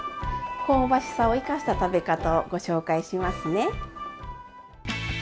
香ばしさを生かした食べ方をご紹介しますね！